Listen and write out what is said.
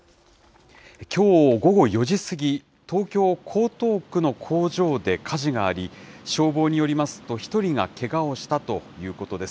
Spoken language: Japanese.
きょう午後４時過ぎ、東京・江東区の工場で火事があり、消防によりますと、１人がけがをしたということです。